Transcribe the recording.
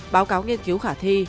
báo cáo nghiên cứu khả thi